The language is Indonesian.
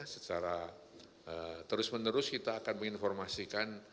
secara terus menerus kita akan menginformasikan